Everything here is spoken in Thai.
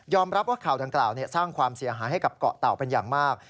รับว่าข่าวดังกล่าวสร้างความเสียหายให้กับเกาะเต่าเป็นอย่างมาก